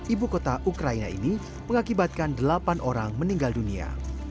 ibu kota ukraina ini mengakibatkan delapan orang meninggal dunia